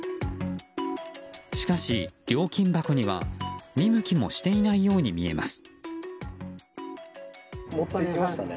しかし、料金箱には見向きもしていないように見えます。